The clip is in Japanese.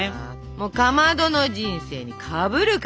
もうかまどの人生にかぶるかぶる！